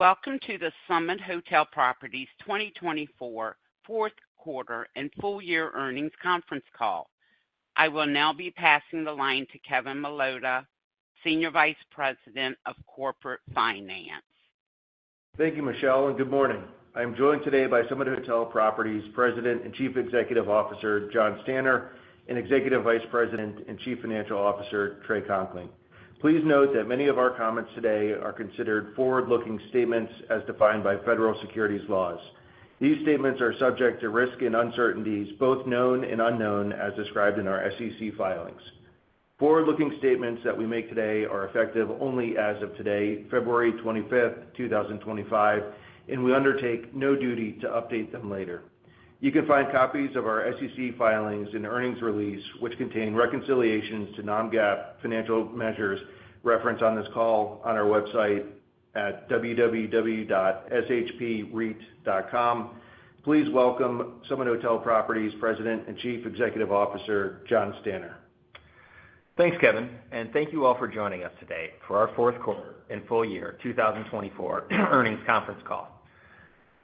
Welcome to the Summit Hotel Properties 2024 fourth quarter and full year earnings conference call. I will now be passing the line to Kevin Milota, Senior Vice President of Corporate Finance. Thank you, Michelle, and good morning. I am joined today by Summit Hotel Properties President and Chief Executive Officer Jon Stanner, and Executive Vice President and Chief Financial Officer Trey Conkling. Please note that many of our comments today are considered forward-looking statements as defined by federal securities laws. These statements are subject to risk and uncertainties, both known and unknown, as described in our SEC filings. Forward-looking statements that we make today are effective only as of today, February 25th, 2025, and we undertake no duty to update them later. You can find copies of our SEC filings and earnings release, which contain reconciliations to non-GAAP financial measures referenced on this call, on our website at www.shpreit.com. Please welcome Summit Hotel Properties President and Chief Executive Officer Jon Stanner. Thanks, Kevin, and thank you all for joining us today for our fourth quarter and full year 2024 earnings conference call.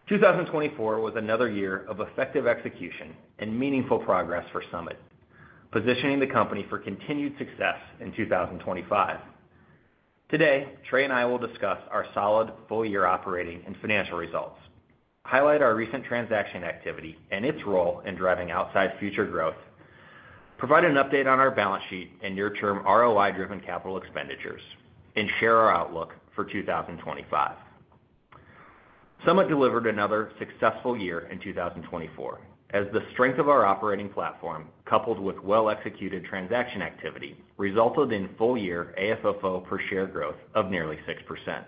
2024 was another year of effective execution and meaningful progress for Summit, positioning the company for continued success in 2025. Today, Trey and I will discuss our solid full-year operating and financial results, highlight our recent transaction activity and its role in driving upside future growth, provide an update on our balance sheet and near-term ROI-driven capital expenditures, and share our outlook for 2025. Summit delivered another successful year in 2024 as the strength of our operating platform, coupled with well-executed transaction activity, resulted in full-year AFFO per share growth of nearly 6%.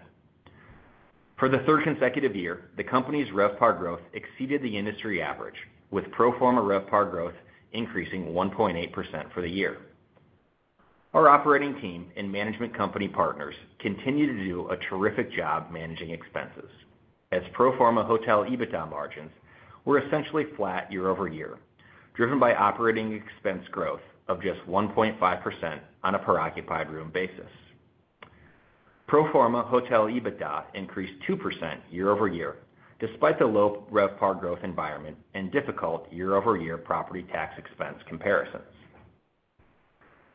For the third consecutive year, the company's RevPAR growth exceeded the industry average, with pro forma RevPAR growth increasing 1.8% for the year. Our operating team and management company partners continue to do a terrific job managing expenses, as Pro Forma Hotel EBITDA margins were essentially flat year-over-year, driven by operating expense growth of just 1.5% on a per-occupied room basis. Pro Forma Hotel EBITDA increased 2% year-over-year, despite the low RevPAR growth environment and difficult year-over-year property tax expense comparisons.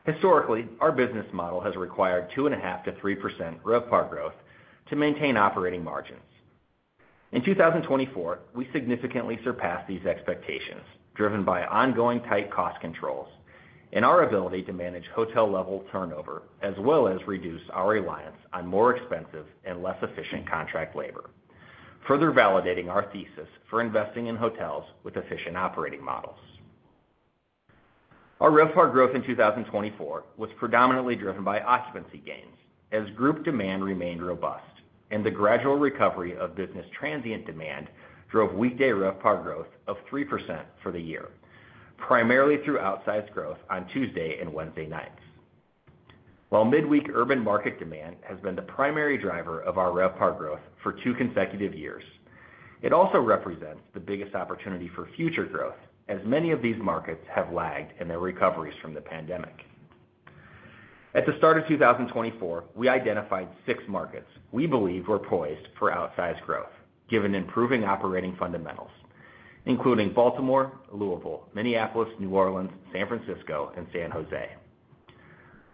Historically, our business model has required 2.5%-3% RevPAR growth to maintain operating margins. In 2024, we significantly surpassed these expectations, driven by ongoing tight cost controls and our ability to manage hotel-level turnover, as well as reduce our reliance on more expensive and less efficient contract labor, further validating our thesis for investing in hotels with efficient operating models. Our RevPAR growth in 2024 was predominantly driven by occupancy gains, as group demand remained robust, and the gradual recovery of business transient demand drove weekday RevPAR growth of 3% for the year, primarily through upside growth on Tuesday and Wednesday nights. While midweek urban market demand has been the primary driver of our RevPAR growth for two consecutive years, it also represents the biggest opportunity for future growth, as many of these markets have lagged in their recoveries from the pandemic. At the start of 2024, we identified six markets we believe were poised for outsized growth, given improving operating fundamentals, including Baltimore, Louisville, Minneapolis, New Orleans, San Francisco, and San Jose.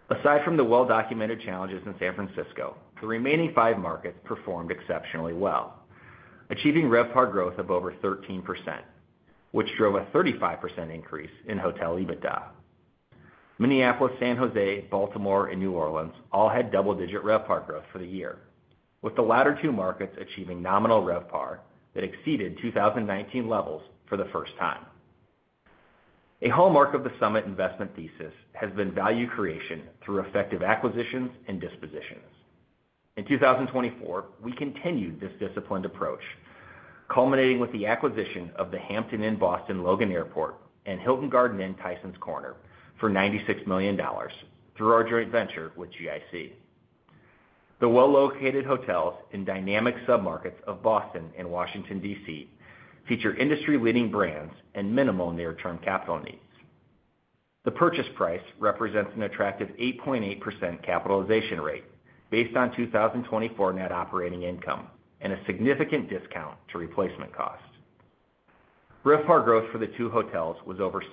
Aside from the well-documented challenges in San Francisco, the remaining five markets performed exceptionally well, achieving RevPAR growth of over 13%, which drove a 35% increase in Hotel EBITDA. Minneapolis, San Jose, Baltimore, and New Orleans all had double-digit RevPAR growth for the year, with the latter two markets achieving nominal RevPAR that exceeded 2019 levels for the first time. A hallmark of the Summit investment thesis has been value creation through effective acquisitions and dispositions. In 2024, we continued this disciplined approach, culminating with the acquisition of the Hampton Inn Boston Logan Airport and Hilton Garden Inn Tysons Corner for $96 million through our joint venture with GIC. The well-located hotels in dynamic submarkets of Boston and Washington, D.C., feature industry-leading brands and minimal near-term capital needs. The purchase price represents an attractive 8.8% capitalization rate based on 2024 net operating income and a significant discount to replacement cost. RevPAR growth for the two hotels was over 6%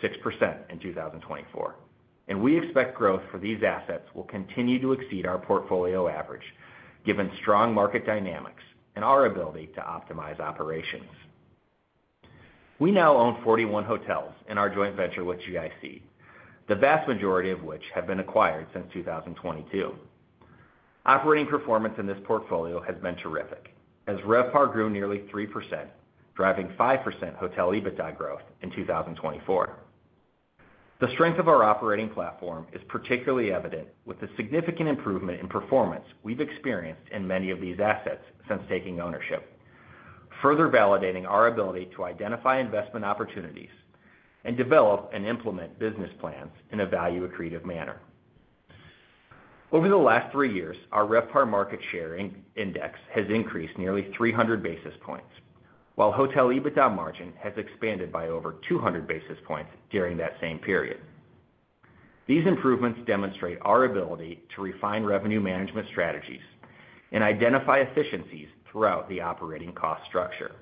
in 2024, and we expect growth for these assets will continue to exceed our portfolio average, given strong market dynamics and our ability to optimize operations. We now own 41 hotels in our joint venture with GIC, the vast majority of which have been acquired since 2022. Operating performance in this portfolio has been terrific, as RevPAR grew nearly 3%, driving 5% Hotel EBITDA growth in 2024. The strength of our operating platform is particularly evident with the significant improvement in performance we've experienced in many of these assets since taking ownership, further validating our ability to identify investment opportunities and develop and implement business plans in a value-accretive manner. Over the last three years, our RevPAR market share index has increased nearly 300 basis points, while Hotel EBITDA margin has expanded by over 200 basis points during that same period. These improvements demonstrate our ability to refine revenue management strategies and identify efficiencies throughout the operating cost structure.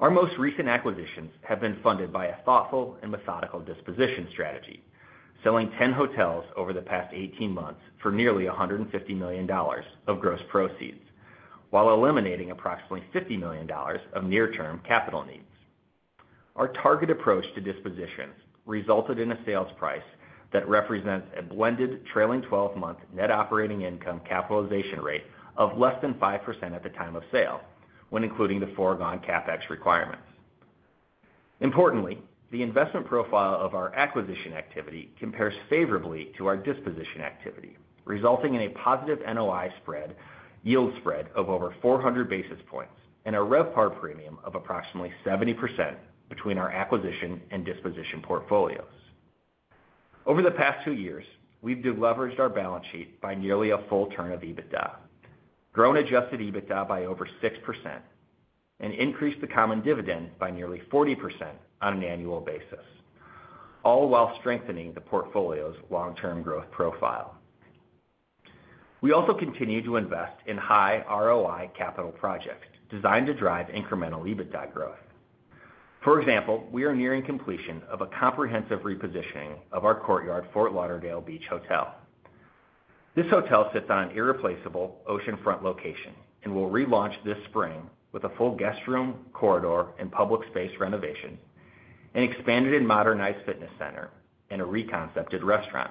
Our most recent acquisitions have been funded by a thoughtful and methodical disposition strategy, selling 10 hotels over the past 18 months for nearly $150 million of gross proceeds, while eliminating approximately $50 million of near-term capital needs. Our target approach to dispositions resulted in a sales price that represents a blended trailing 12-month net operating income capitalization rate of less than 5% at the time of sale, when including the foregone CapEx requirements. Importantly, the investment profile of our acquisition activity compares favorably to our disposition activity, resulting in a positive NOI spread yield spread of over 400 basis points and a RevPAR premium of approximately 70% between our acquisition and disposition portfolios. Over the past two years, we've leveraged our balance sheet by nearly a full turn of EBITDA, grown adjusted EBITDA by over 6%, and increased the common dividend by nearly 40% on an annual basis, all while strengthening the portfolio's long-term growth profile. We also continue to invest in high ROI capital projects designed to drive incremental EBITDA growth. For example, we are nearing completion of a comprehensive repositioning of our Courtyard Fort Lauderdale Beach hotel. This hotel sits on an irreplaceable oceanfront location and will relaunch this spring with a full guest room, corridor, and public space renovation, an expanded and modernized fitness center, and a reconcepted restaurant.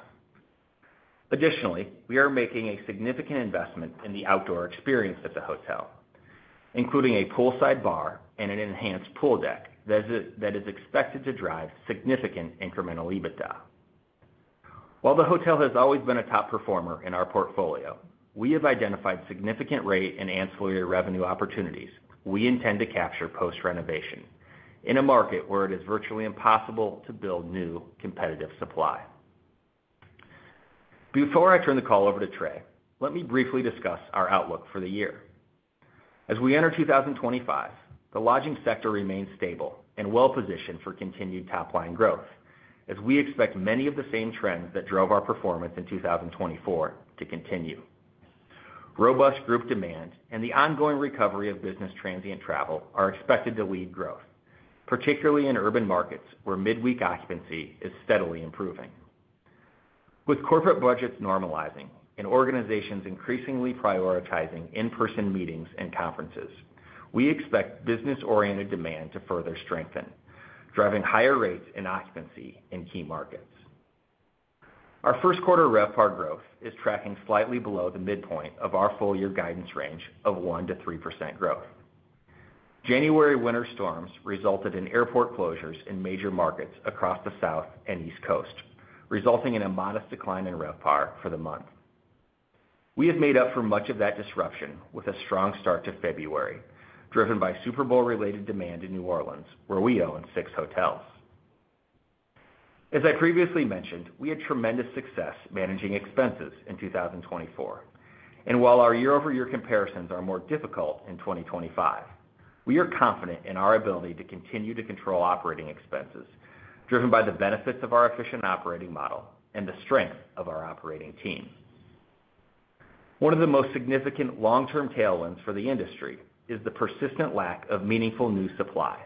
Additionally, we are making a significant investment in the outdoor experience at the hotel, including a poolside bar and an enhanced pool deck that is expected to drive significant incremental EBITDA. While the hotel has always been a top performer in our portfolio, we have identified significant rate and ancillary revenue opportunities we intend to capture post-renovation in a market where it is virtually impossible to build new competitive supply. Before I turn the call over to Trey, let me briefly discuss our outlook for the year. As we enter 2025, the lodging sector remains stable and well-positioned for continued top-line growth, as we expect many of the same trends that drove our performance in 2024 to continue. Robust group demand and the ongoing recovery of business transient travel are expected to lead growth, particularly in urban markets where midweek occupancy is steadily improving. With corporate budgets normalizing and organizations increasingly prioritizing in-person meetings and conferences, we expect business-oriented demand to further strengthen, driving higher rates in occupancy in key markets. Our first quarter RevPAR growth is tracking slightly below the midpoint of our full-year guidance range of 1%-3% growth. January winter storms resulted in airport closures in major markets across the South and East Coast, resulting in a modest decline in RevPAR for the month. We have made up for much of that disruption with a strong start to February, driven by Super Bowl-related demand in New Orleans, where we own six hotels. As I previously mentioned, we had tremendous success managing expenses in 2024, and while our year-over-year comparisons are more difficult in 2025, we are confident in our ability to continue to control operating expenses, driven by the benefits of our efficient operating model and the strength of our operating team. One of the most significant long-term tailwinds for the industry is the persistent lack of meaningful new supply,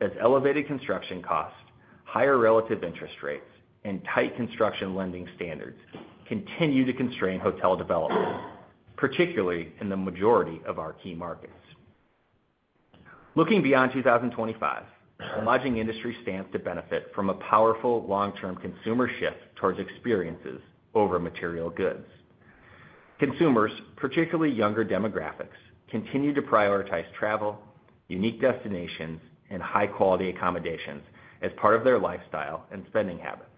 as elevated construction costs, higher relative interest rates, and tight construction lending standards continue to constrain hotel development, particularly in the majority of our key markets. Looking beyond 2025, the lodging industry stands to benefit from a powerful long-term consumer shift towards experiences over material goods. Consumers, particularly younger demographics, continue to prioritize travel, unique destinations, and high-quality accommodations as part of their lifestyle and spending habits.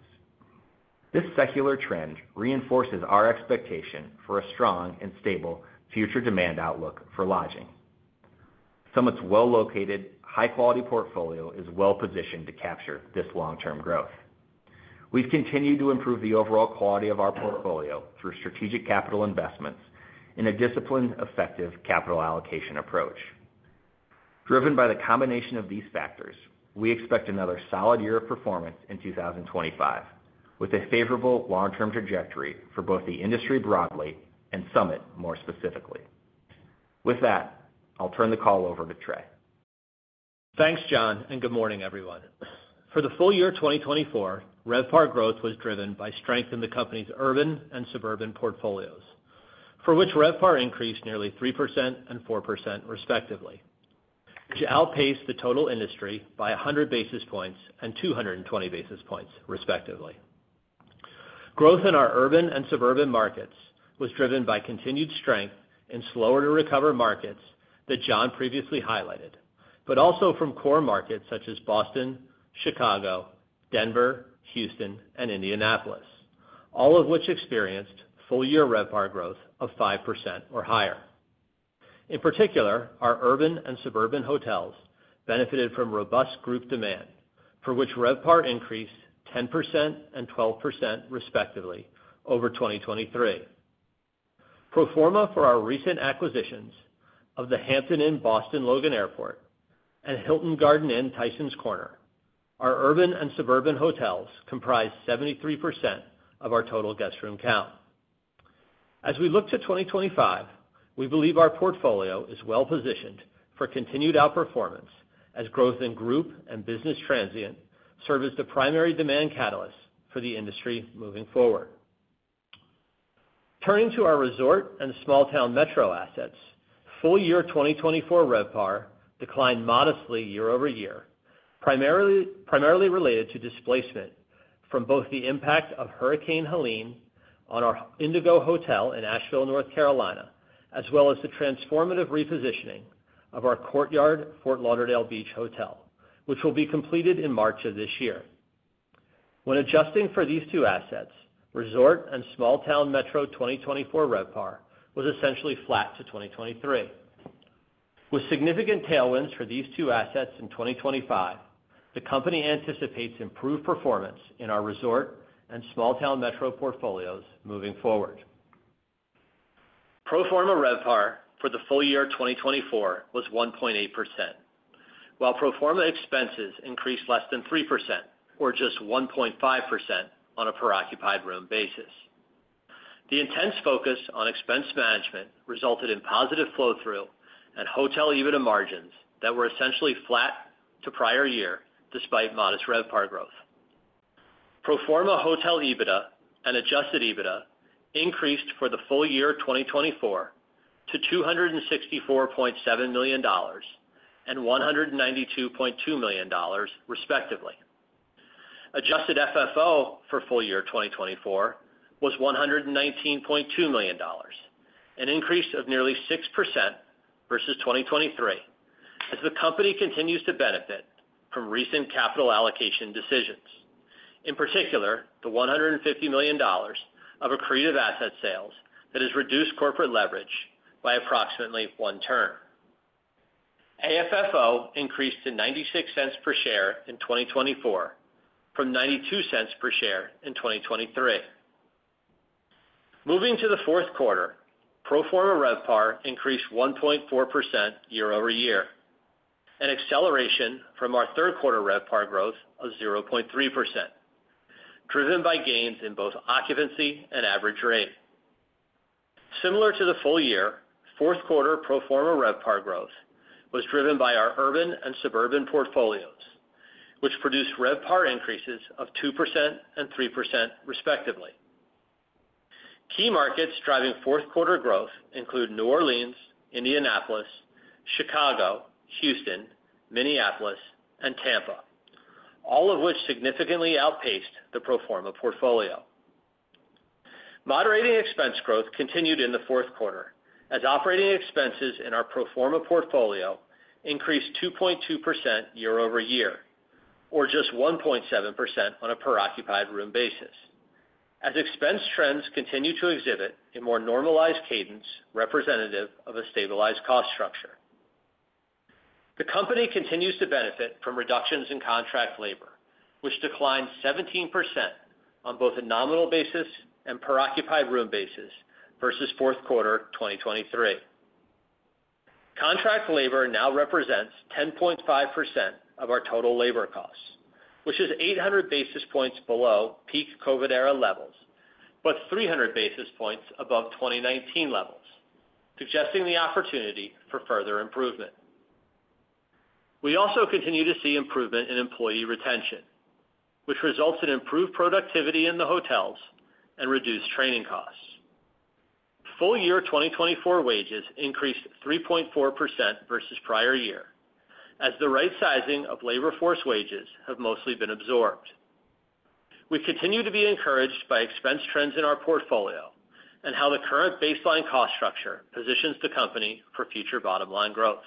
This secular trend reinforces our expectation for a strong and stable future demand outlook for lodging. Summit's well-located, high-quality portfolio is well-positioned to capture this long-term growth. We've continued to improve the overall quality of our portfolio through strategic capital investments in a disciplined, effective capital allocation approach. Driven by the combination of these factors, we expect another solid year of performance in 2025, with a favorable long-term trajectory for both the industry broadly and Summit more specifically. With that, I'll turn the call over to Trey. Thanks, Jon, and good morning, everyone. For the full year 2024, RevPAR growth was driven by strength in the company's urban and suburban portfolios, for which RevPAR increased nearly 3% and 4%, respectively, which outpaced the total industry by 100 basis points and 220 basis points, respectively. Growth in our urban and suburban markets was driven by continued strength in slower-to-recover markets that Jon previously highlighted, but also from core markets such as Boston, Chicago, Denver, Houston, and Indianapolis, all of which experienced full-year RevPAR growth of 5% or higher. In particular, our urban and suburban hotels benefited from robust group demand, for which RevPAR increased 10% and 12%, respectively, over 2023. Pro forma for our recent acquisitions of the Hampton Inn Boston Logan Airport and Hilton Garden Inn Tysons Corner, our urban and suburban hotels comprised 73% of our total guest room count. As we look to 2025, we believe our portfolio is well-positioned for continued outperformance, as growth in group and business transient serves as the primary demand catalyst for the industry moving forward. Turning to our resort and small-town metro assets, full year 2024 RevPAR declined modestly year-over-year, primarily related to displacement from both the impact of Hurricane Helene on our Hotel Indigo in Asheville, North Carolina, as well as the transformative repositioning of our Courtyard Fort Lauderdale Beach hotel, which will be completed in March of this year. When adjusting for these two assets, resort and small-town metro 2024 RevPAR was essentially flat to 2023. With significant tailwinds for these two assets in 2025, the company anticipates improved performance in our resort and small-town metro portfolios moving forward. Pro forma RevPAR for the full year 2024 was 1.8%, while pro forma expenses increased less than 3%, or just 1.5%, on a per-occupied room basis. The intense focus on expense management resulted in positive flow-through and hotel EBITDA margins that were essentially flat to prior year, despite modest RevPAR growth. Pro forma hotel EBITDA and adjusted EBITDA increased for the full year 2024 to $264.7 million and $192.2 million, respectively. Adjusted FFO for full year 2024 was $119.2 million, an increase of nearly 6% versus 2023, as the company continues to benefit from recent capital allocation decisions, in particular the $150 million of accretive asset sales that has reduced corporate leverage by approximately one turn. AFFO increased to $0.96 per share in 2024 from $0.92 per share in 2023. Moving to the fourth quarter, pro forma RevPAR increased 1.4% year-over-year, an acceleration from our third quarter RevPAR growth of 0.3%, driven by gains in both occupancy and average rate. Similar to the full year, fourth quarter pro forma RevPAR growth was driven by our urban and suburban portfolios, which produced RevPAR increases of 2% and 3%, respectively. Key markets driving fourth quarter growth include New Orleans, Indianapolis, Chicago, Houston, Minneapolis, and Tampa, all of which significantly outpaced the pro forma portfolio. Moderating expense growth continued in the fourth quarter, as operating expenses in our pro forma portfolio increased 2.2% year-over-year, or just 1.7% on a per-occupied room basis, as expense trends continue to exhibit a more normalized cadence representative of a stabilized cost structure. The company continues to benefit from reductions in contract labor, which declined 17% on both a nominal basis and per-occupied room basis versus fourth quarter 2023. Contract labor now represents 10.5% of our total labor costs, which is 800 basis points below peak COVID-era levels, but 300 basis points above 2019 levels, suggesting the opportunity for further improvement. We also continue to see improvement in employee retention, which results in improved productivity in the hotels and reduced training costs. Full year 2024 wages increased 3.4% versus prior year, as the right-sizing of labor force wages have mostly been absorbed. We continue to be encouraged by expense trends in our portfolio and how the current baseline cost structure positions the company for future bottom-line growth.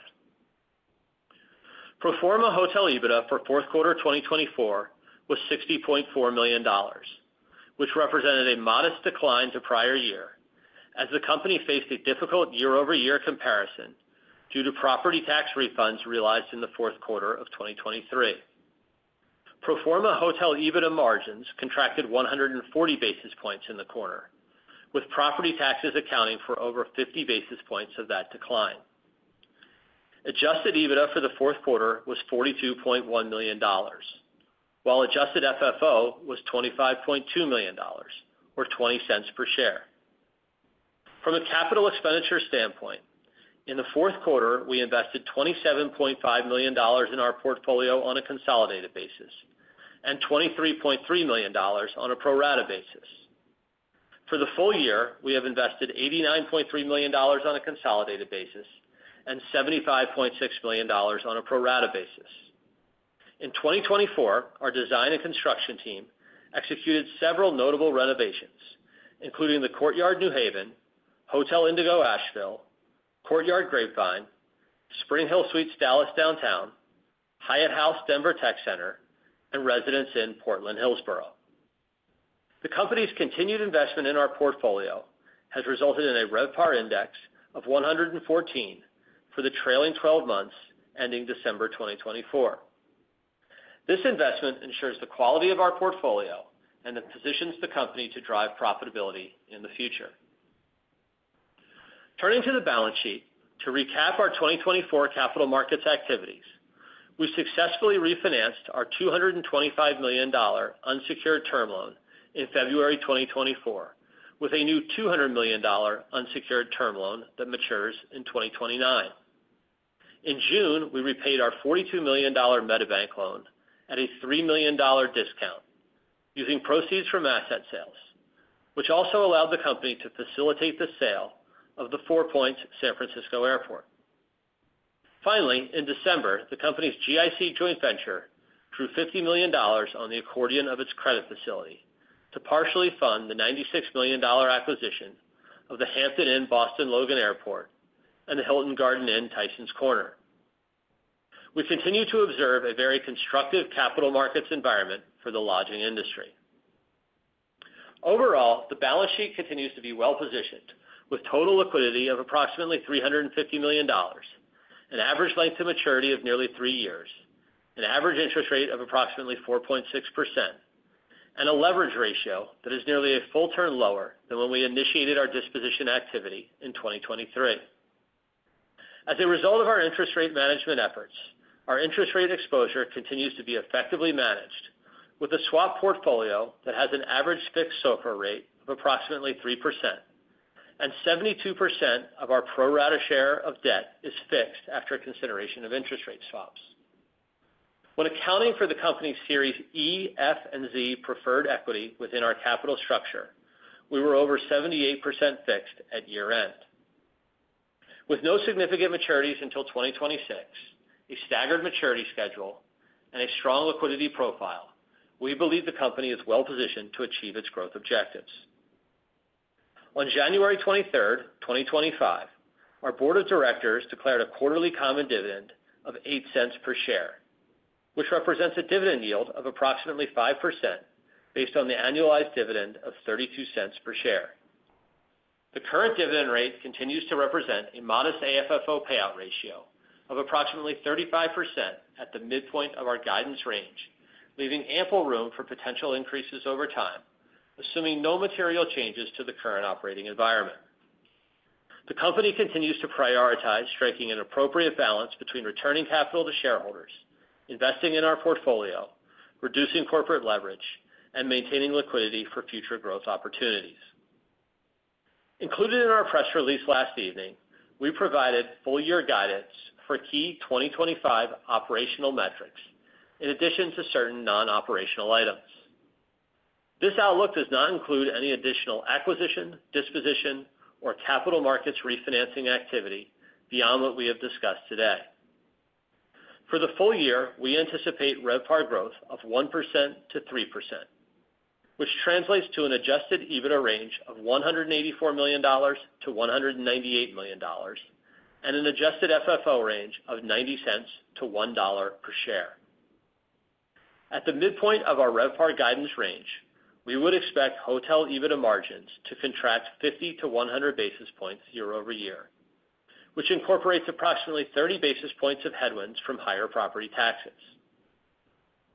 Pro forma hotel EBITDA for fourth quarter 2024 was $60.4 million, which represented a modest decline from prior year, as the company faced a difficult year-over-year comparison due to property tax refunds realized in the fourth quarter of 2023. Pro forma hotel EBITDA margins contracted 140 basis points in the quarter, with property taxes accounting for over 50 basis points of that decline. Adjusted EBITDA for the fourth quarter was $42.1 million, while adjusted AFFO was $25.2 million, or $0.20 per share. From a capital expenditure standpoint, in the fourth quarter, we invested $27.5 million in our portfolio on a consolidated basis and $23.3 million on a pro-rata basis. For the full year, we have invested $89.3 million on a consolidated basis and $75.6 million on a pro-rata basis. In 2024, our design and construction team executed several notable renovations, including the Courtyard New Haven, Hotel Indigo Asheville, Courtyard Grapevine, SpringHill Suites Dallas Downtown, Hyatt House Denver Tech Center, and Residence Inn Portland Hillsboro. The company's continued investment in our portfolio has resulted in a RevPAR index of 114 for the trailing 12 months ending December 2024. This investment ensures the quality of our portfolio and positions the company to drive profitability in the future. Turning to the balance sheet to recap our 2024 capital markets activities, we successfully refinanced our $225 million unsecured term loan in February 2024, with a new $200 million unsecured term loan that matures in 2029. In June, we repaid our $42 million M&T Bank loan at a $3 million discount using proceeds from asset sales, which also allowed the company to facilitate the sale of the Four Points San Francisco Airport. Finally, in December, the company's GIC joint venture drew $50 million on the accordion of its credit facility to partially fund the $96 million acquisition of the Hampton Inn Boston Logan Airport and the Hilton Garden Inn Tysons Corner. We continue to observe a very constructive capital markets environment for the lodging industry. Overall, the balance sheet continues to be well-positioned, with total liquidity of approximately $350 million, an average length of maturity of nearly three years, an average interest rate of approximately 4.6%, and a leverage ratio that is nearly a full turn lower than when we initiated our disposition activity in 2023. As a result of our interest rate management efforts, our interest rate exposure continues to be effectively managed, with a swap portfolio that has an average fixed SOFR rate of approximately 3%, and 72% of our pro-rata share of debt is fixed after consideration of interest rate swaps. When accounting for the company's Series E, F, and Z preferred equity within our capital structure, we were over 78% fixed at year-end. With no significant maturities until 2026, a staggered maturity schedule, and a strong liquidity profile, we believe the company is well-positioned to achieve its growth objectives. On January 23rd, 2025, our board of directors declared a quarterly common dividend of $0.08 per share, which represents a dividend yield of approximately 5% based on the annualized dividend of $0.32 per share. The current dividend rate continues to represent a modest AFFO payout ratio of approximately 35% at the midpoint of our guidance range, leaving ample room for potential increases over time, assuming no material changes to the current operating environment. The company continues to prioritize striking an appropriate balance between returning capital to shareholders, investing in our portfolio, reducing corporate leverage, and maintaining liquidity for future growth opportunities. Included in our press release last evening, we provided full-year guidance for key 2025 operational metrics, in addition to certain non-operational items. This outlook does not include any additional acquisition, disposition, or capital markets refinancing activity beyond what we have discussed today. For the full year, we anticipate RevPAR growth of 1%-3%, which translates to an adjusted EBITDA range of $184 million-$198 million, and an adjusted FFO range of $0.90-$1 per share. At the midpoint of our RevPAR guidance range, we would expect Hotel EBITDA margins to contract 50 to 100 basis points year-over-year, which incorporates approximately 30 basis points of headwinds from higher property taxes.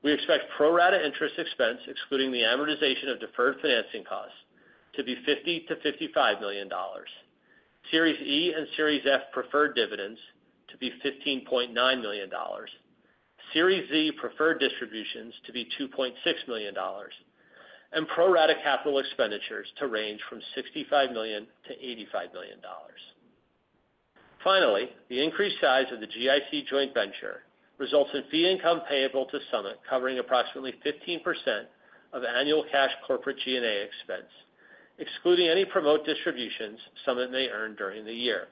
We expect pro-rata interest expense, excluding the amortization of deferred financing costs, to be $50 million-$55 million, Series E and Series F preferred dividends to be $15.9 million, Series Z preferred distributions to be $2.6 million, and pro-rata capital expenditures to range from $65-$85 million. Finally, the increased size of the GIC joint venture results in fee income payable to Summit covering approximately 15% of annual cash corporate G&A expense, excluding any promote distributions Summit may earn during the year.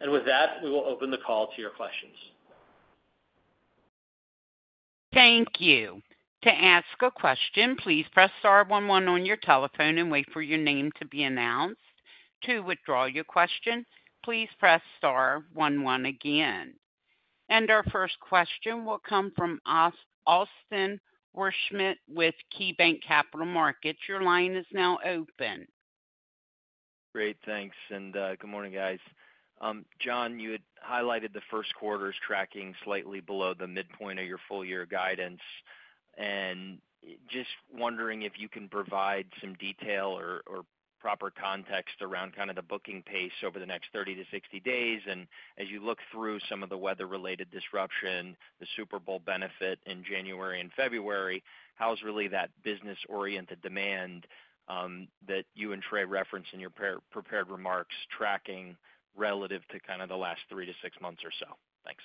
And with that, we will open the call to your questions. Thank you. To ask a question, please press star one one on your telephone and wait for your name to be announced. To withdraw your question, please press star one one again. And our first question will come from Austin Wurschmidt with KeyBank Capital Markets. Your line is now open. Great. Thanks. And good morning, guys. Jon, you had highlighted the first quarter's tracking slightly below the midpoint of your full-year guidance. And just wondering if you can provide some detail or proper context around kind of the booking pace over the next 30 days-60 days. And as you look through some of the weather-related disruption, the Super Bowl benefit in January and February, how's really that business-oriented demand that you and Trey referenced in your prepared remarks tracking relative to kind of the last 3months-6 months or so? Thanks.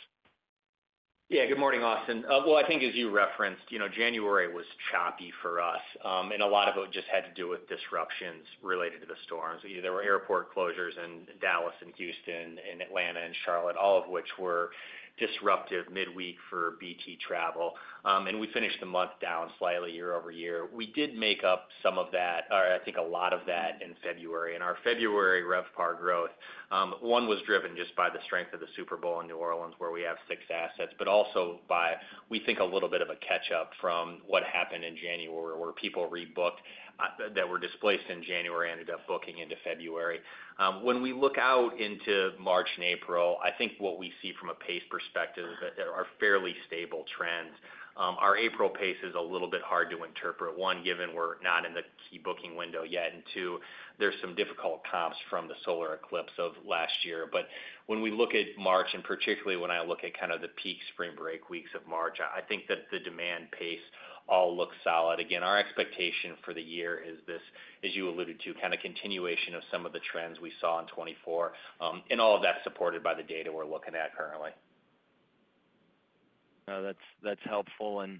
Yeah. Good morning, Austin. Well, I think, as you referenced, January was choppy for us. And a lot of it just had to do with disruptions related to the storms. There were airport closures in Dallas and Houston and Atlanta and Charlotte, all of which were disruptive midweek for BT travel. And we finished the month down slightly year-over-year. We did make up some of that, or I think a lot of that, in February. And our February RevPAR growth was driven just by the strength of the Super Bowl in New Orleans, where we have six assets, but also by, we think, a little bit of a catch-up from what happened in January, where people rebooked that were displaced in January ended up booking into February. When we look out into March and April, I think what we see from a pace perspective is that there are fairly stable trends. Our April pace is a little bit hard to interpret, one, given we're not in the key booking window yet, and two, there's some difficult comps from the solar eclipse of last year, but when we look at March, and particularly when I look at kind of the peak spring break weeks of March, I think that the demand pace all looks solid. Again, our expectation for the year is this, as you alluded to, kind of continuation of some of the trends we saw in 2024, and all of that supported by the data we're looking at currently. That's helpful. And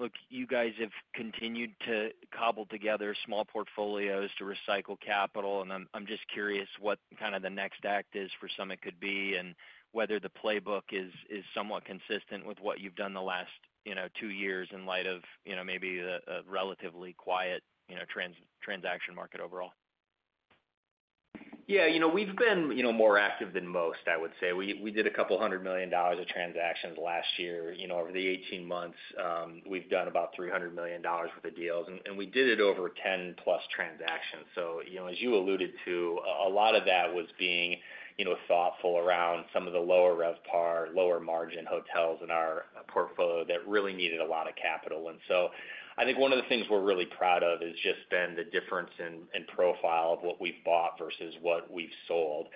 look, you guys have continued to cobble together small portfolios to recycle capital. And I'm just curious what kind of the next act is for Summit could be and whether the playbook is somewhat consistent with what you've done the last two years in light of maybe a relatively quiet transaction market overall. Yeah. We've been more active than most, I would say. We did $200 million of transactions last year. Over the 18 months, we've done about $300 million worth of deals. And we did it over 10+ transactions. So as you alluded to, a lot of that was being thoughtful around some of the lower RevPAR, lower margin hotels in our portfolio that really needed a lot of capital. And so I think one of the things we're really proud of has just been the difference in profile of what we've bought versus what we've sold.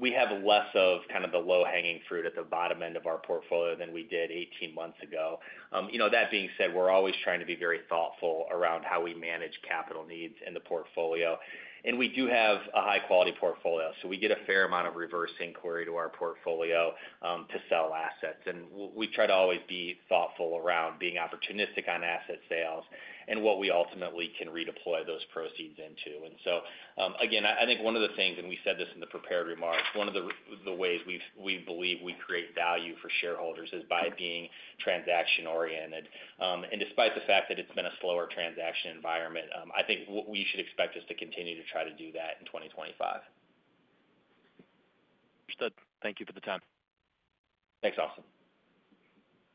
We have less of kind of the low-hanging fruit at the bottom end of our portfolio than we did 18 months ago. That being said, we're always trying to be very thoughtful around how we manage capital needs in the portfolio. And we do have a high-quality portfolio. So we get a fair amount of reverse inquiry to our portfolio to sell assets. And we try to always be thoughtful around being opportunistic on asset sales and what we ultimately can redeploy those proceeds into. And so again, I think one of the things, and we said this in the prepared remarks, one of the ways we believe we create value for shareholders is by being transaction-oriented. And despite the fact that it's been a slower transaction environment, I think what we should expect is to continue to try to do that in 2025. Understood. Thank you for the time. Thanks, Austin.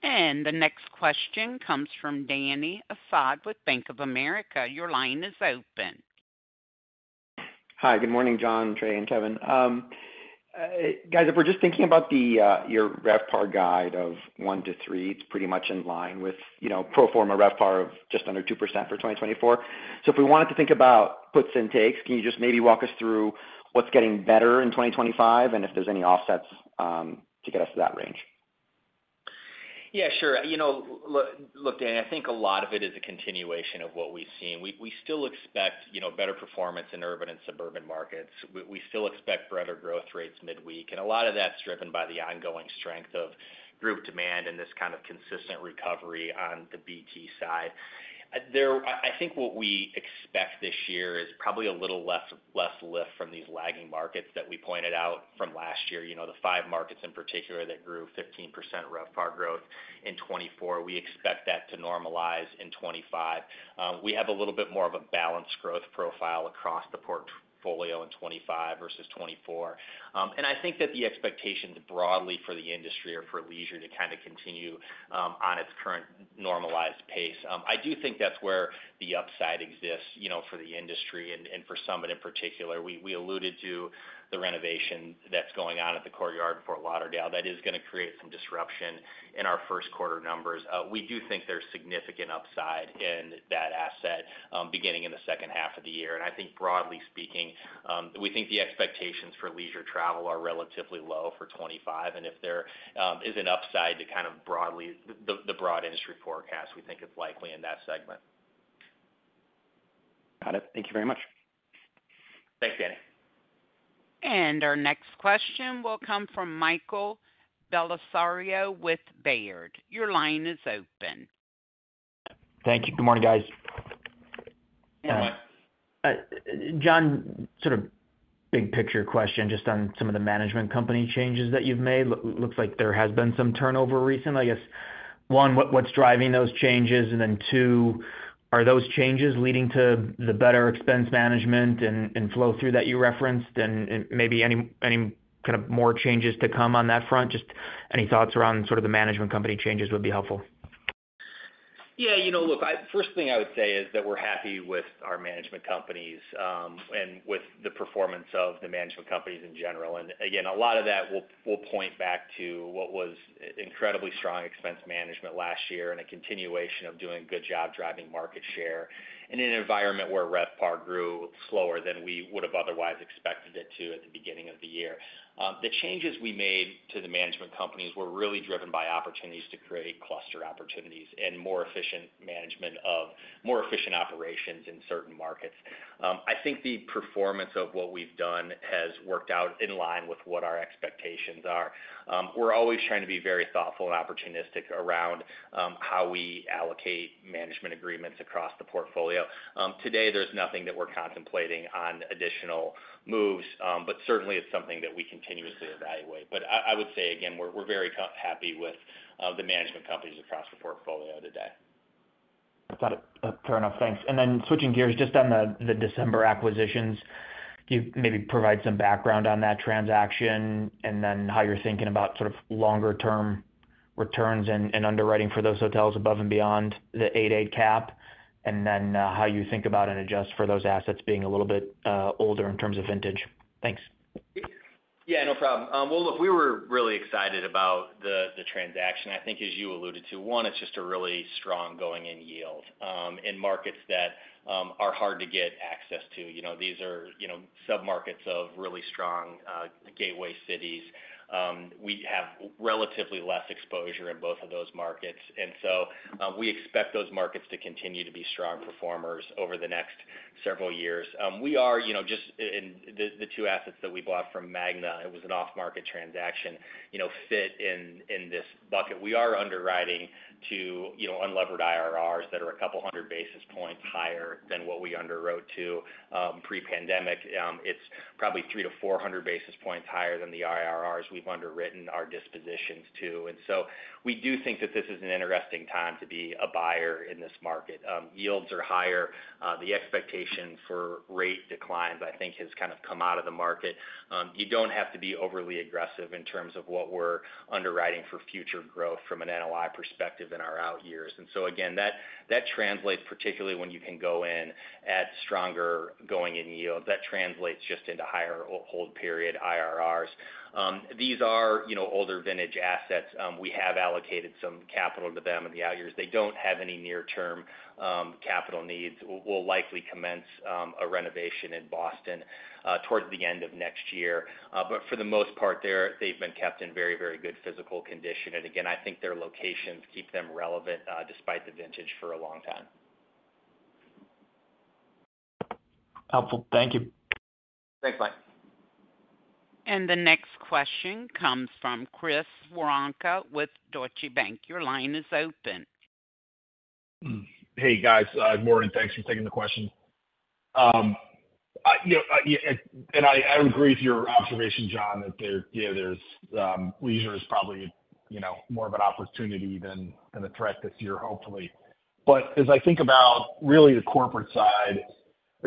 The next question comes from Dany Asad with Bank of America. Your line is open. Hi. Good morning, Jon, Trey, and Kevin. Guys, if we're just thinking about your RevPAR guide of 1%-3%, it's pretty much in line with Pro Forma RevPAR of just under 2% for 2024. So if we wanted to think about puts and takes, can you just maybe walk us through what's getting better in 2025 and if there's any offsets to get us to that range? Yeah. Sure. Look, Dany, I think a lot of it is a continuation of what we've seen. We still expect better performance in urban and suburban markets. We still expect broader growth rates midweek. And a lot of that's driven by the ongoing strength of group demand and this kind of consistent recovery on the BT side. I think what we expect this year is probably a little less lift from these lagging markets that we pointed out from last year, the five markets in particular that grew 15% RevPAR growth in 2024. We expect that to normalize in 2025. We have a little bit more of a balanced growth profile across the portfolio in 2025 versus 2024. And I think that the expectations broadly for the industry are for leisure to kind of continue on its current normalized pace. I do think that's where the upside exists for the industry and for Summit in particular. We alluded to the renovation that's going on at the Courtyard in Fort Lauderdale that is going to create some disruption in our first quarter numbers. We do think there's significant upside in that asset beginning in the second half of the year. And I think, broadly speaking, we think the expectations for leisure travel are relatively low for 2025. And if there is an upside to kind of broadly the industry forecast, we think it's likely in that segment. Got it. Thank you very much. Thanks, Dany. Our next question will come from Michael Bellisario with Baird. Your line is open. Thank you. Good morning, guys. Yeah. Jon, sort of big picture question just on some of the management company changes that you've made. Looks like there has been some turnover recently. I guess, one, what's driving those changes? And then two, are those changes leading to the better expense management and flow-through that you referenced and maybe any kind of more changes to come on that front? Just any thoughts around sort of the management company changes would be helpful. Yeah. Look, first thing I would say is that we're happy with our management companies and with the performance of the management companies in general. And again, a lot of that will point back to what was incredibly strong expense management last year and a continuation of doing a good job driving market share in an environment where RevPAR grew slower than we would have otherwise expected it to at the beginning of the year. The changes we made to the management companies were really driven by opportunities to create cluster opportunities and more efficient management of more efficient operations in certain markets. I think the performance of what we've done has worked out in line with what our expectations are. We're always trying to be very thoughtful and opportunistic around how we allocate management agreements across the portfolio. Today, there's nothing that we're contemplating on additional moves, but certainly, it's something that we continuously evaluate. But I would say, again, we're very happy with the management companies across the portfolio today. Got it. Fair enough. Thanks. And then switching gears just on the December acquisitions, can you maybe provide some background on that transaction and then how you're thinking about sort of longer-term returns and underwriting for those hotels above and beyond the 8.8 cap, and then how you think about and adjust for those assets being a little bit older in terms of vintage? Thanks. Yeah. No problem. Well, look, we were really excited about the transaction. I think, as you alluded to, one, it's just a really strong going-in yield in markets that are hard to get access to. These are sub-markets of really strong gateway cities. We have relatively less exposure in both of those markets. And so we expect those markets to continue to be strong performers over the next several years. We are just in the two assets that we bought from Magna. It was an off-market transaction fit in this bucket. We are underwriting to unlevered IRRs that are a couple hundred basis points higher than what we underwrote to pre-pandemic. It's probably three to four hundred basis points higher than the IRRs we've underwritten our dispositions to. And so we do think that this is an interesting time to be a buyer in this market. Yields are higher. The expectation for rate declines, I think, has kind of come out of the market. You don't have to be overly aggressive in terms of what we're underwriting for future growth from an NOI perspective in our out years. And so again, that translates, particularly when you can go in at stronger going-in yields, that translates just into higher hold-period IRRs. These are older vintage assets. We have allocated some capital to them in the out years. They don't have any near-term capital needs. We'll likely commence a renovation in Boston towards the end of next year. But for the most part, they've been kept in very, very good physical condition. And again, I think their locations keep them relevant despite the vintage for a long time. Helpful. Thank you. Thanks, Mike. The next question comes from Chris Woronka with Deutsche Bank. Your line is open. Hey, guys. Morgan. Thanks for taking the question. And I agree with your observation, John, that there's leisure is probably more of an opportunity than a threat this year, hopefully. But as I think about really the corporate side,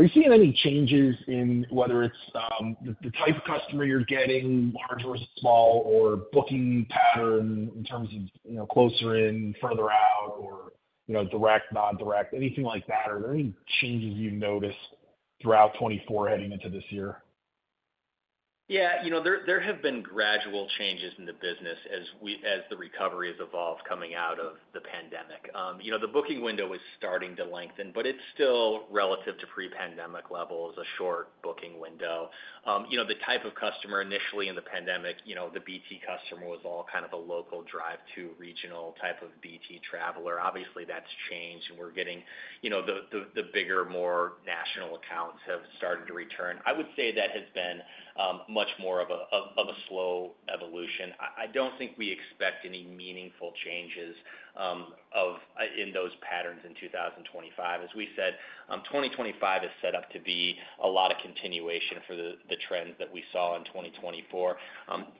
are you seeing any changes in whether it's the type of customer you're getting, larger or small, or booking pattern in terms of closer in, further out, or direct, non-direct, anything like that? Are there any changes you've noticed throughout 2024 heading into this year? Yeah. There have been gradual changes in the business as the recovery has evolved coming out of the pandemic. The booking window is starting to lengthen, but it's still, relative to pre-pandemic levels, a short booking window. The type of customer initially in the pandemic, the BT customer, was all kind of a local drive-through regional type of BT traveler. Obviously, that's changed. And we're getting the bigger, more national accounts have started to return. I would say that has been much more of a slow evolution. I don't think we expect any meaningful changes in those patterns in 2025. As we said, 2025 is set up to be a lot of continuation for the trends that we saw in 2024.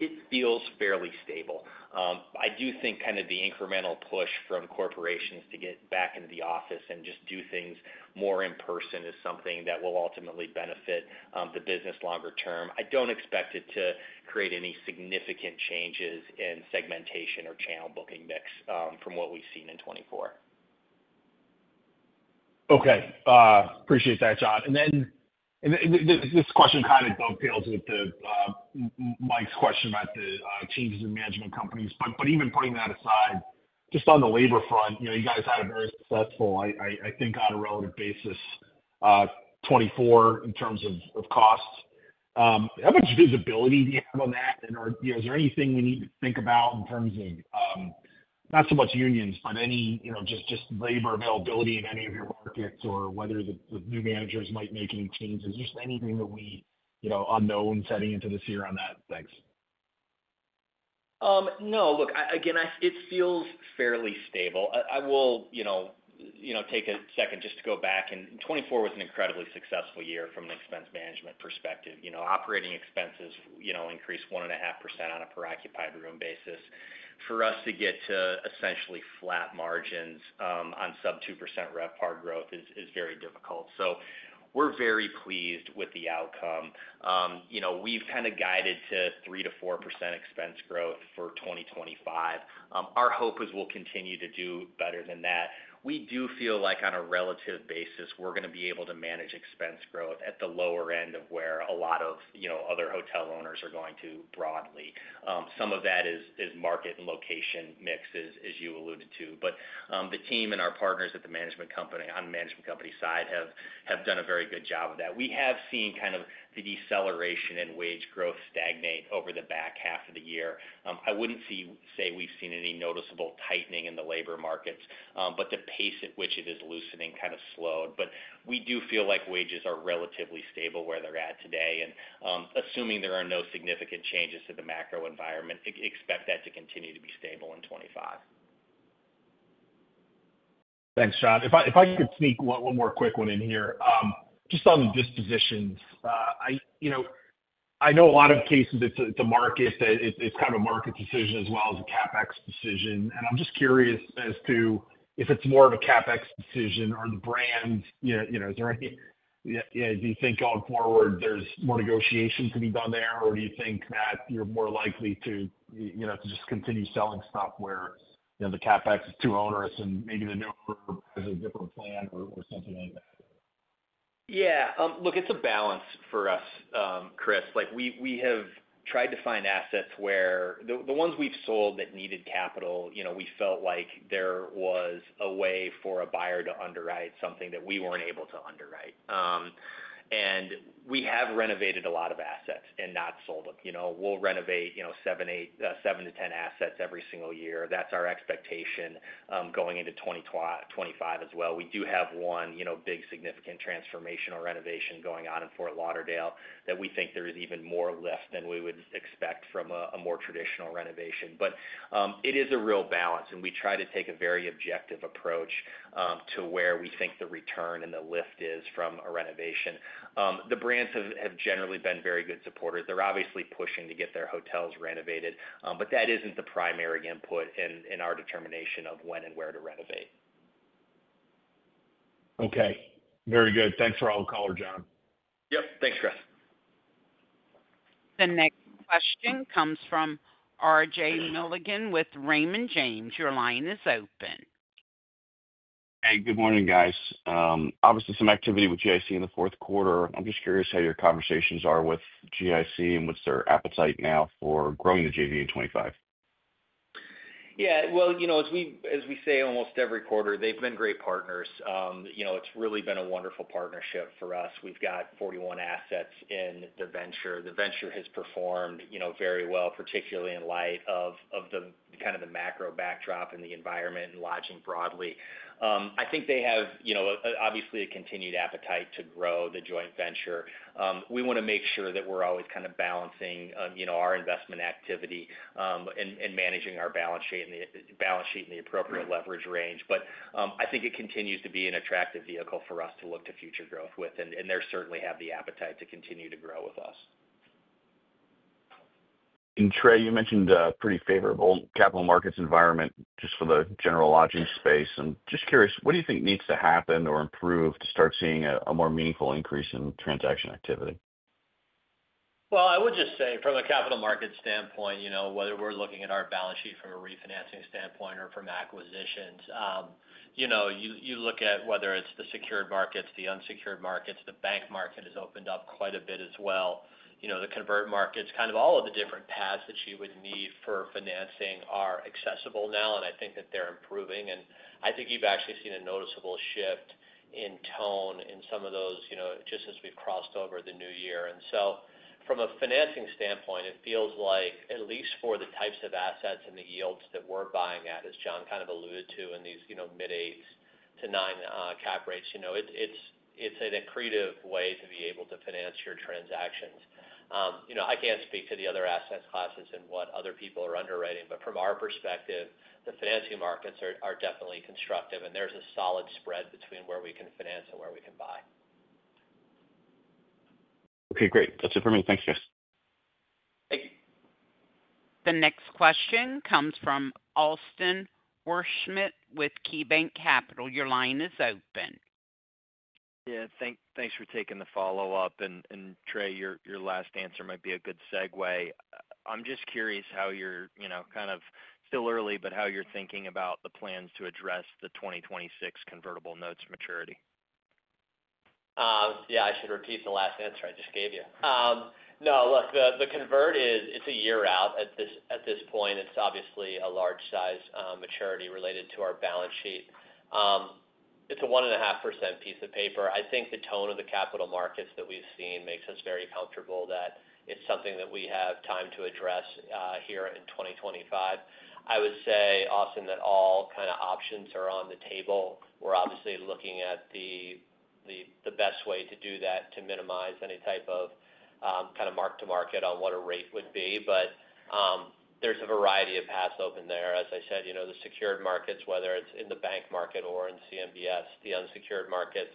It feels fairly stable. I do think kind of the incremental push from corporations to get back into the office and just do things more in person is something that will ultimately benefit the business longer term. I don't expect it to create any significant changes in segmentation or channel booking mix from what we've seen in 2024. Okay. Appreciate that, Jon. And then this question kind of dovetails with Mike's question about the changes in management companies. But even putting that aside, just on the labor front, you guys had a very successful, I think, on a relative basis, 2024 in terms of costs. How much visibility do you have on that? And is there anything we need to think about in terms of not so much unions, but just labor availability in any of your markets or whether the new managers might make any changes? Just any unknowns heading into this year on that? Thanks. No. Look, again, it feels fairly stable. I will take a second just to go back, and 2024 was an incredibly successful year from an expense management perspective. Operating expenses increased 1.5% on a per-occupied room basis. For us to get to essentially flat margins on sub-2% RevPAR growth is very difficult, so we're very pleased with the outcome. We've kind of guided to 3%-4% expense growth for 2025. Our hope is we'll continue to do better than that. We do feel like on a relative basis, we're going to be able to manage expense growth at the lower end of where a lot of other hotel owners are going to broadly. Some of that is market and location mix, as you alluded to, but the team and our partners at the management company on the management company side have done a very good job of that. We have seen kind of the deceleration in wage growth stagnate over the back half of the year. I wouldn't say we've seen any noticeable tightening in the labor markets, but the pace at which it is loosening kind of slowed, but we do feel like wages are relatively stable where they're at today, and assuming there are no significant changes to the macro environment, expect that to continue to be stable in 2025. Thanks, Jon. If I could sneak one more quick one in here, just on the dispositions, I know a lot of cases, it's a market that it's kind of a market decision as well as a CapEx decision. And I'm just curious as to if it's more of a CapEx decision or the brands. Is there any, yeah, do you think going forward there's more negotiation to be done there, or do you think that you're more likely to just continue selling stuff where the CapEx is too onerous and maybe the newer has a different plan or something like that? Yeah. Look, it's a balance for us, Chris. We have tried to find assets where the ones we've sold that needed capital, we felt like there was a way for a buyer to underwrite something that we weren't able to underwrite. We have renovated a lot of assets and not sold them. We'll renovate seven to 10 assets every single year. That's our expectation going into 2025 as well. We do have one big significant transformational renovation going on in Fort Lauderdale that we think there is even more lift than we would expect from a more traditional renovation. It is a real balance. We try to take a very objective approach to where we think the return and the lift is from a renovation. The brands have generally been very good supporters. They're obviously pushing to get their hotels renovated, but that isn't the primary input in our determination of when and where to renovate. Okay. Very good. Thanks for all the color, Jon. Yep. Thanks, Chris. The next question comes from RJ Milligan with Raymond James. Your line is open. Hey, good morning, guys. Obviously, some activity with GIC in the fourth quarter. I'm just curious how your conversations are with GIC and what's their appetite now for growing the JV in 2025. Yeah. Well, as we say almost every quarter, they've been great partners. It's really been a wonderful partnership for us. We've got 41 assets in the venture. The venture has performed very well, particularly in light of kind of the macro backdrop and the environment and lodging broadly. I think they have obviously a continued appetite to grow the joint venture. We want to make sure that we're always kind of balancing our investment activity and managing our balance sheet in the appropriate leverage range. But I think it continues to be an attractive vehicle for us to look to future growth with, and they certainly have the appetite to continue to grow with us. Trey, you mentioned a pretty favorable capital markets environment just for the general lodging space. I'm just curious, what do you think needs to happen or improve to start seeing a more meaningful increase in transaction activity? I would just say from a capital markets standpoint, whether we're looking at our balance sheet from a refinancing standpoint or from acquisitions, you look at whether it's the secured markets, the unsecured markets, the bank market has opened up quite a bit as well. The convert markets, kind of all of the different paths that you would need for financing are accessible now, and I think that they're improving. I think you've actually seen a noticeable shift in tone in some of those just as we've crossed over the new year. From a financing standpoint, it feels like, at least for the types of assets and the yields that we're buying at, as Jon kind of alluded to in these mid-8s-9 cap rates, it's an accretive way to be able to finance your transactions. I can't speak to the other asset classes and what other people are underwriting, but from our perspective, the financing markets are definitely constructive, and there's a solid spread between where we can finance and where we can buy. Okay. Great. That's it for me. Thanks, Chris. Thank you. The next question comes from Austin Wurschmidt with KeyBank Capital Markets. Your line is open. Yeah. Thanks for taking the follow-up. And Trey, your last answer might be a good segue. I'm just curious how you're kind of still early, but how you're thinking about the plans to address the 2026 convertible notes maturity? Yeah. I should repeat the last answer I just gave you. No, look, the convert is a year out at this point. It's obviously a large-sized maturity related to our balance sheet. It's a 1.5% piece of paper. I think the tone of the capital markets that we've seen makes us very comfortable that it's something that we have time to address here in 2025. I would say, Austin, that all kind of options are on the table. We're obviously looking at the best way to do that to minimize any type of kind of mark-to-market on what a rate would be. But there's a variety of paths open there. As I said, the secured markets, whether it's in the bank market or in CMBS, the unsecured markets,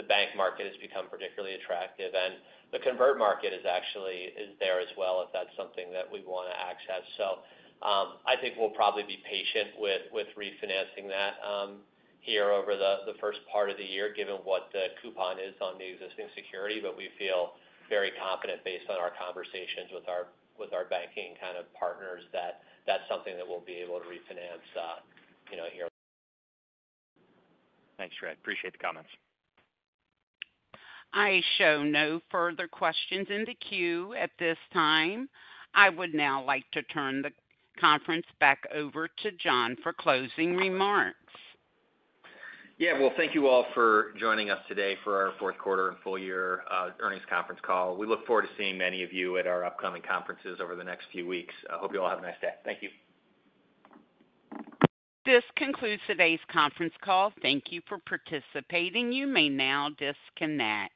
the bank market has become particularly attractive. And the convertible market is actually there as well if that's something that we want to access. So I think we'll probably be patient with refinancing that here over the first part of the year, given what the coupon is on the existing security. But we feel very confident based on our conversations with our banking kind of partners that that's something that we'll be able to refinance here. Thanks, Trey. Appreciate the comments. I show no further questions in the queue at this time. I would now like to turn the conference back over to Jon for closing remarks. Yeah. Well, thank you all for joining us today for our fourth quarter and full-year earnings conference call. We look forward to seeing many of you at our upcoming conferences over the next few weeks. I hope you all have a nice day. Thank you. This concludes today's conference call. Thank you for participating. You may now disconnect.